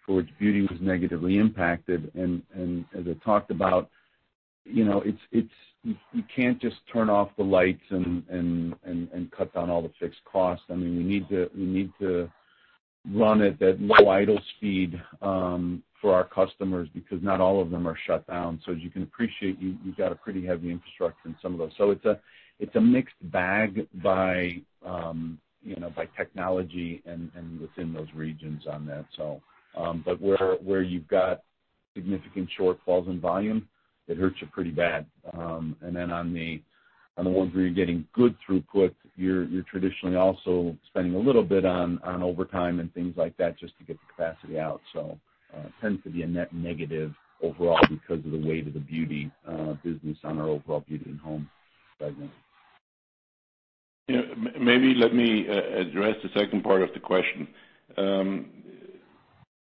for which beauty was negatively impacted and as I talked about, you can't just turn off the lights and cut down all the fixed costs. We need to run at that low idle speed for our customers because not all of them are shut down. As you can appreciate, you got a pretty heavy infrastructure in some of those. It's a mixed bag by technology and within those regions on that. Where you've got significant shortfalls in volume, it hurts you pretty bad. On the ones where you're getting good throughput, you're traditionally also spending a little bit on overtime and things like that just to get the capacity out. Tends to be a net negative overall because of the weight of the beauty business on our overall Beauty and Home segment. Maybe let me address the second part of the question.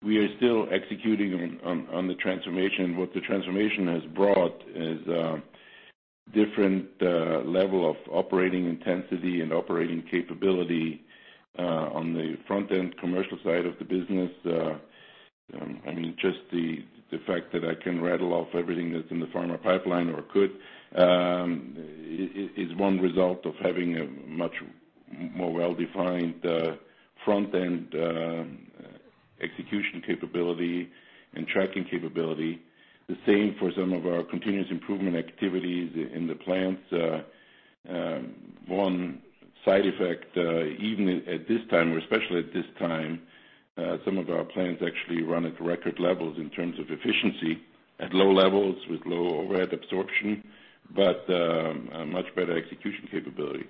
We are still executing on the Transformation. What the Transformation has brought is a different level of operating intensity and operating capability on the front-end commercial side of the business. Just the fact that I can rattle off everything that's in the pharma pipeline or could, is one result of having a much more well-defined front-end execution capability and tracking capability. The same for some of our continuous improvement activities in the plants. One side effect, even at this time, or especially at this time, some of our plants actually run at record levels in terms of efficiency at low levels with low overhead absorption, but much better execution capability.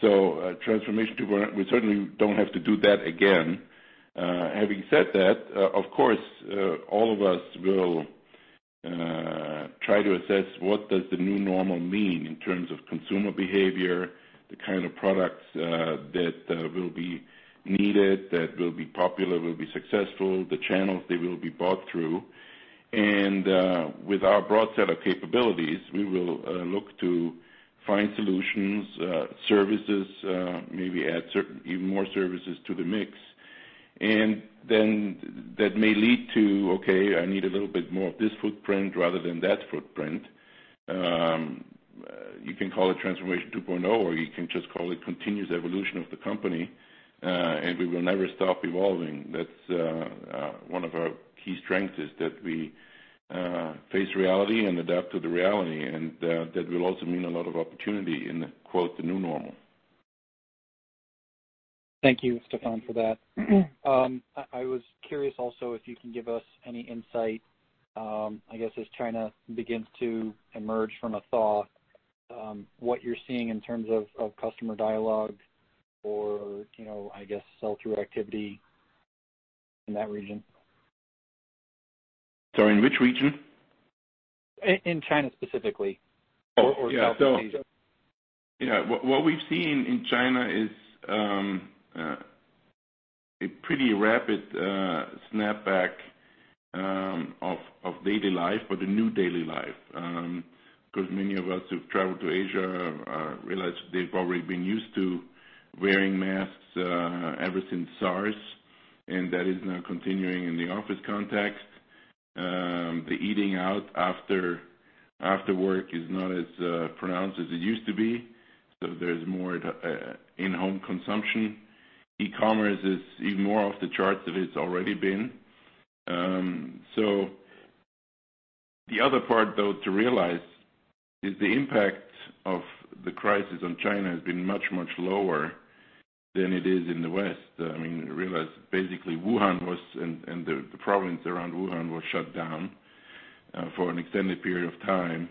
Transformation, we certainly don't have to do that again. Having said that, of course, all of us will try to assess what does the new normal mean in terms of consumer behavior, the kind of products that will be needed, that will be popular, will be successful, the channels they will be bought through. With our broad set of capabilities, we will look to find solutions, services, maybe add even more services to the mix. That may lead to, okay, I need a little bit more of this footprint rather than that footprint. You can call it Transformation 2.0, or you can just call it continuous evolution of the company, and we will never stop evolving. That's one of our key strengths is that we face reality and adapt to the reality, and that will also mean a lot of opportunity in, quote, the new normal. Thank you, Stephan, for that. I was curious also if you can give us any insight, I guess as China begins to emerge from a thaw, what you're seeing in terms of customer dialogue or I guess sell-through activity in that region. Sorry, in which region? In China specifically. Oh, yeah. Southeast Asia. Yeah. What we've seen in China is a pretty rapid snapback of daily life or the new daily life. Many of us who've traveled to Asia realize they've probably been used to wearing masks ever since SARS, and that is now continuing in the office context. The eating out after work is not as pronounced as it used to be, so there's more in-home consumption. E-commerce is even more off the charts than it's already been. The other part, though, to realize is the impact of the crisis on China has been much, much lower than it is in the West. Realize basically Wuhan and the province around Wuhan were shut down for an extended period of time.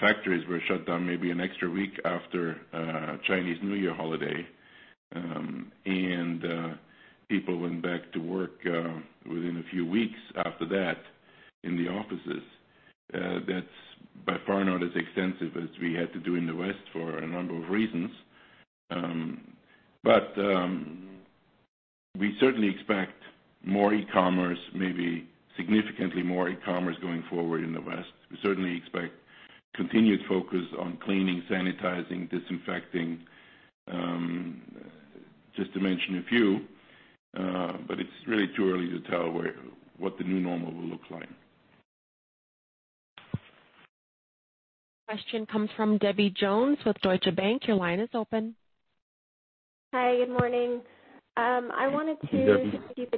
Factories were shut down maybe an extra week after Chinese New Year holiday. People went back to work within a few weeks after that in the offices. That's by far not as extensive as we had to do in the West for a number of reasons. We certainly expect more e-commerce, maybe significantly more e-commerce going forward in the West. We certainly expect continued focus on cleaning, sanitizing, disinfecting, just to mention a few. It's really too early to tell what the new normal will look like. Question comes from Debbie Jones with Deutsche Bank. Your line is open. Hi. Good morning. Hey, Debbie.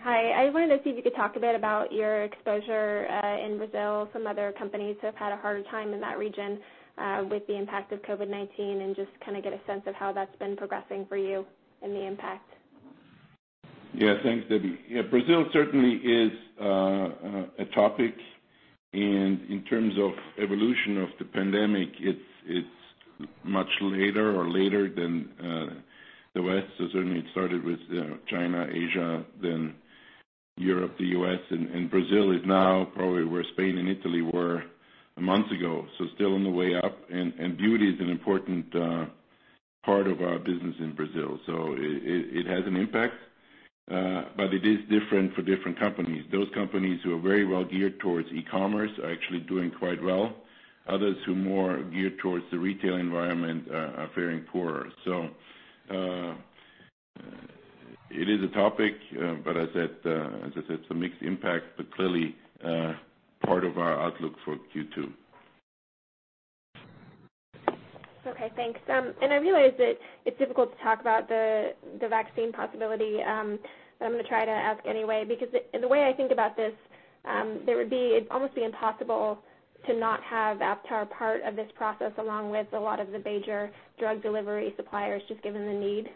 Hi. I wanted to see if you could talk a bit about your exposure in Brazil. Some other companies have had a harder time in that region with the impact of COVID-19, and just get a sense of how that's been progressing for you and the impact. Thanks, Debbie. Yeah, Brazil certainly is a topic, and in terms of evolution of the pandemic, it's much later or later than the West. Certainly it started with China, Asia, then Europe, the U.S., and Brazil is now probably where Spain and Italy were a month ago. Still on the way up, and beauty is an important part of our business in Brazil. It has an impact, but it is different for different companies. Those companies who are very well geared towards e-commerce are actually doing quite well. Others who more geared towards the retail environment are faring poorer. It is a topic, but as I said, it's a mixed impact, but clearly part of our outlook for Q2. Okay, thanks. I realize that it's difficult to talk about the vaccine possibility, but I'm going to try to ask anyway because the way I think about this, it'd almost be impossible to not have Aptar part of this process along with a lot of the major drug delivery suppliers, just given the need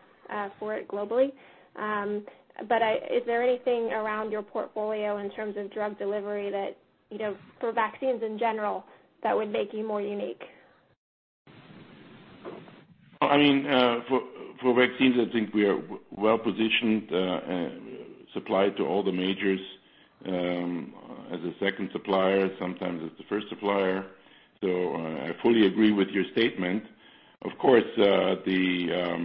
for it globally. Is there anything around your portfolio in terms of drug delivery that, for vaccines in general, that would make you more unique? For vaccines, I think we are well-positioned, supplied to all the majors as a second supplier, sometimes as the first supplier. I fully agree with your statement. Of course, the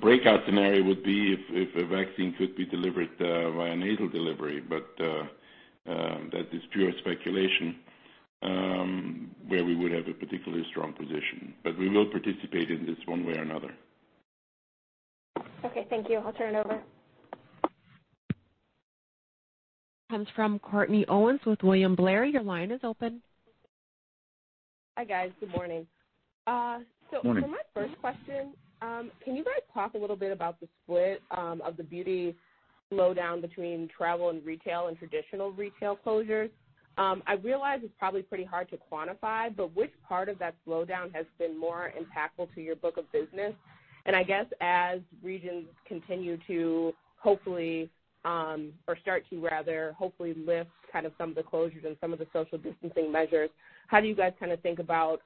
breakout scenario would be if a vaccine could be delivered via nasal delivery, but that is pure speculation, where we would have a particularly strong position. We will participate in this one way or another. Okay, thank you. I'll turn it over. Comes from Courtney Owens with William Blair. Your line is open. Hi, guys. Good morning. Morning. For my first question, can you guys talk a little bit about the split of the beauty slowdown between travel and retail and traditional retail closures? I realize it's probably pretty hard to quantify, which part of that slowdown has been more impactful to your book of business? I guess as regions continue to, hopefully, or start to rather, hopefully lift some of the closures and some of the social distancing measures, how do you guys think about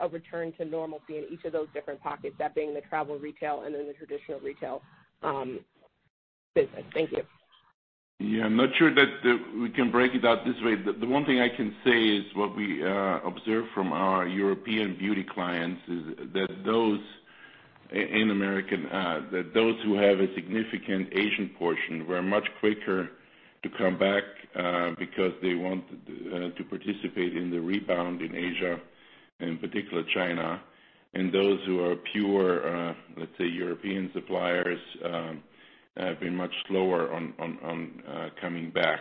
a return to normalcy in each of those different pockets, that being the travel retail and then the traditional retail business? Thank you. Yeah, I'm not sure that we can break it out this way. The one thing I can say is what we observed from our European beauty clients is that those who have a significant Asian portion were much quicker to come back because they want to participate in the rebound in Asia, in particular China. Those who are pure European suppliers have been much slower on coming back.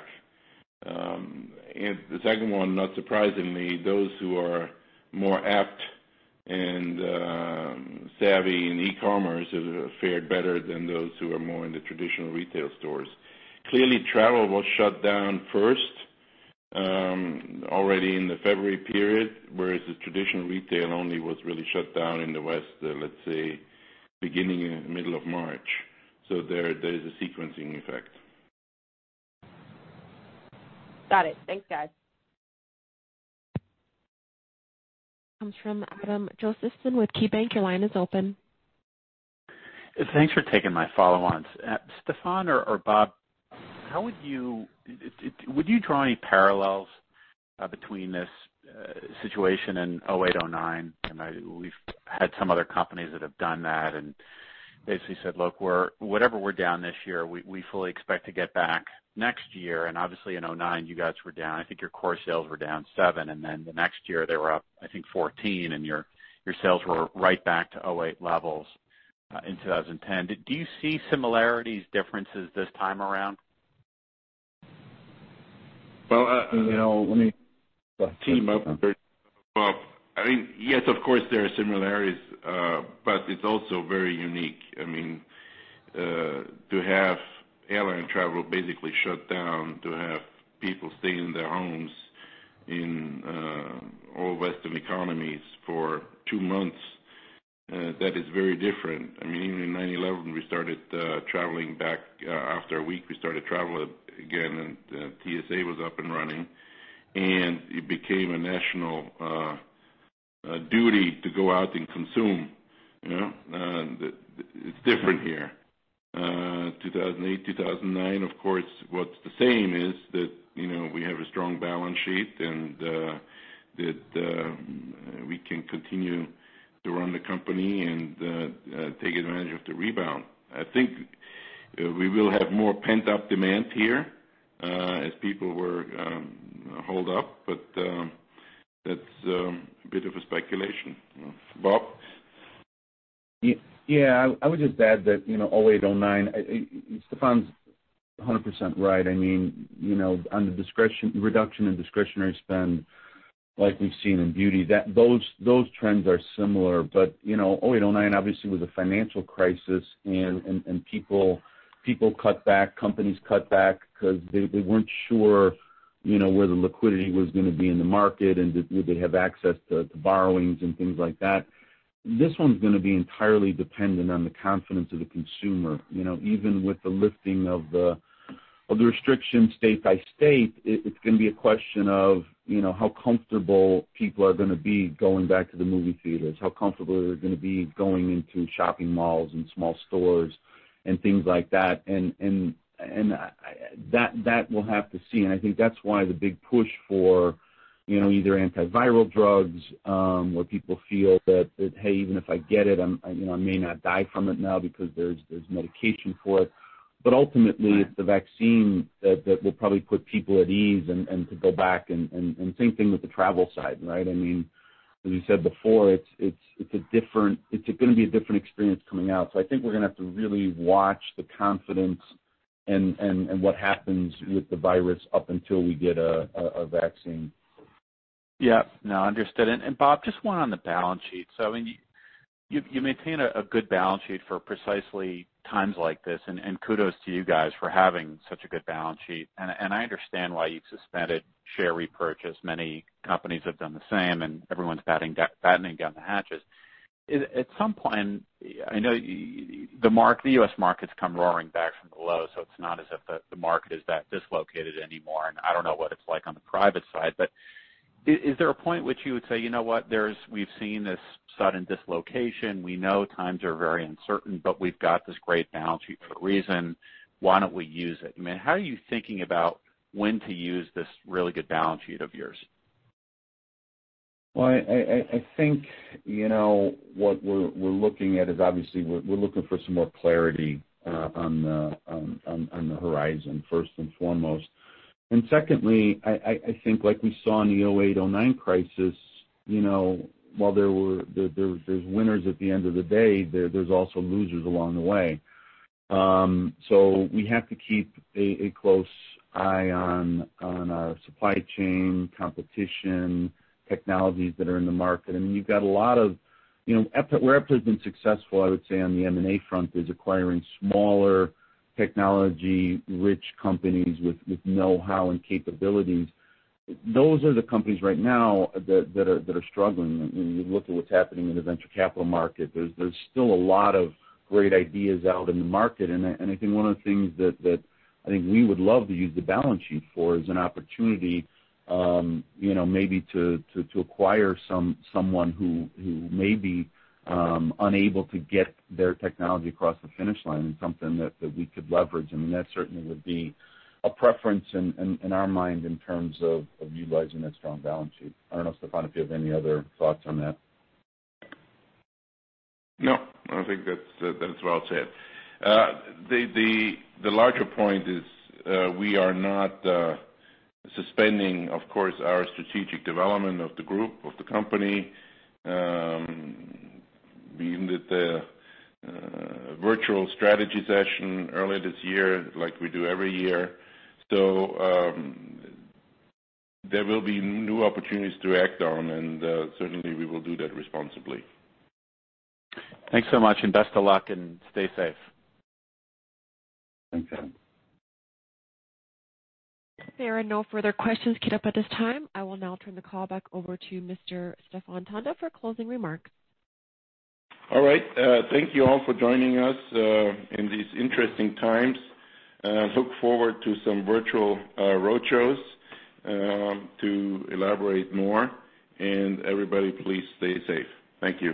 The second one, not surprisingly, those who are more apt and savvy in e-commerce have fared better than those who are more in the traditional retail stores. Clearly, travel was shut down first, already in the February period, whereas the traditional retail only was really shut down in the West, let's say beginning in middle of March. There is a sequencing effect. Got it. Thanks, guys. Comes from Adam Josephson with KeyBanc. Your line is open. Thanks for taking my follow-ons. Stephan or Bob, would you draw any parallels between this situation in 2008, 2009? We've had some other companies that have done that and basically said, Look, whatever we're down this year, we fully expect to get back next year. Obviously in 2009, you guys were down, I think your core sales were down 7, and then the next year they were up, I think 14, and your sales were right back to 2008 levels in 2010. Do you see similarities, differences this time around? Well, let me team up. Yes, of course there are similarities, but it's also very unique. To have airline travel basically shut down, to have people stay in their homes in all Western economies for two months, that is very different. Even in 9/11, after a week, we started traveling again, and TSA was up and running, and it became a national duty to go out and consume. It's different here. 2008, 2009, of course, what's the same is that we have a strong balance sheet and that we can continue to run the company and take advantage of the rebound. I think we will have more pent-up demand here as people were holed up, but that's a bit of a speculation. Bob? Yeah. I would just add that '08, '09, Stephan's 100% right. On the reduction in discretionary spend like we've seen in beauty, those trends are similar. 2008, 2009, obviously, was a financial crisis, and people cut back, companies cut back because they weren't sure. Where the liquidity was going to be in the market and did they have access to borrowings and things like that. This one's going to be entirely dependent on the confidence of the consumer. Even with the lifting of the restrictions state by state, it's going to be a question of how comfortable people are going to be going back to the movie theaters, how comfortable they're going to be going into shopping malls and small stores and things like that. That we'll have to see, and I think that's why the big push for either antiviral drugs, where people feel that, Hey, even if I get it, I may not die from it now because there's medication for it. Ultimately, it's the vaccine that will probably put people at ease and to go back and same thing with the travel side, right? As you said before, it's going to be a different experience coming out. I think we're going to have to really watch the confidence and what happens with the virus up until we get a vaccine. Yeah. No, understood. Bob, just one on the balance sheet. You maintain a good balance sheet for precisely times like this, and kudos to you guys for having such a good balance sheet. I understand why you've suspended share repurchase. Many companies have done the same, and everyone's battening down the hatches. At some point, I know the U.S. market's come roaring back from the low, so it's not as if the market is that dislocated anymore, and I don't know what it's like on the private side, but is there a point which you would say, You know what? We've seen this sudden dislocation. We know times are very uncertain, but we've got this great balance sheet for a reason. Why don't we use it?" How are you thinking about when to use this really good balance sheet of yours? Well, I think what we're looking at is obviously, we're looking for some more clarity on the horizon, first and foremost. Secondly, I think like we saw in the '08, '09 crisis, while there's winners at the end of the day, there's also losers along the way. We have to keep a close eye on our supply chain, competition, technologies that are in the market. Where Aptar's been successful, I would say, on the M&A front, is acquiring smaller technology-rich companies with know-how and capabilities. Those are the companies right now that are struggling. When you look at what's happening in the venture capital market, there's still a lot of great ideas out in the market. I think one of the things that I think we would love to use the balance sheet for is an opportunity maybe to acquire someone who may be unable to get their technology across the finish line and something that we could leverage. That certainly would be a preference in our mind in terms of utilizing that strong balance sheet. I don't know, Stephan, if you have any other thoughts on that. No, I think that's well said. The larger point is, we are not suspending, of course, our strategic development of the group, of the company. We ended the virtual strategy session earlier this year like we do every year. There will be new opportunities to act on, and certainly, we will do that responsibly. Thanks so much, and best of luck, and stay safe. Thanks. There are no further questions queued up at this time. I will now turn the call back over to Mr. Stephan Tanda for closing remarks. All right. Thank you all for joining us in these interesting times. Look forward to some virtual road shows to elaborate more. Everybody, please stay safe. Thank you.